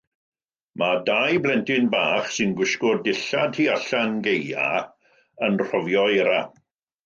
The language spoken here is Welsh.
Mae dau blentyn bach sy'n gwisgo dillad tu allan gaeaf yn rhofio eira.